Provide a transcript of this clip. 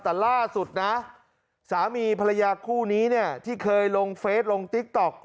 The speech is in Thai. แต่ล่าสุดนะสามีภรรยาคู่นี้เนี่ยที่เคยลงเฟสลงติ๊กต๊อก